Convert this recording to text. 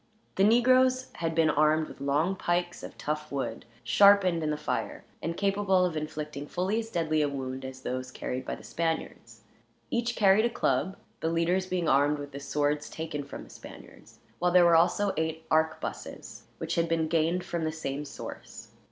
The negroes had been armed with long pikes of tough wood, sharpened in the fire, and capable of inflicting fully as deadly a wound as those carried by the Spaniards. Each carried a club, the leaders being armed with the swords taken from the Spaniards; while there were also eight arquebuses, which had been gained from the same source.